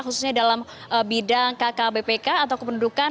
khususnya dalam bidang kkbpk atau kependudukan